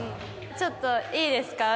ちょっといいですか？